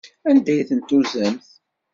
Anda ay tent-tuzamt?